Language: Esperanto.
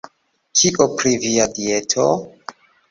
Kio pri via dieto?